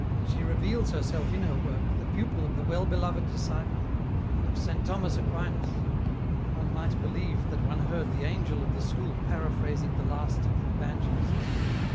She reveals herself in her work the pupil of the well beloved disciple and of Saint Thomas Aquinas. One might believe that one heard the Angel of the School paraphrasing the last of the Evangelists."